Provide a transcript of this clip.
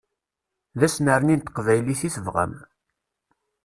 D asnerni n teqbaylit i tebɣam.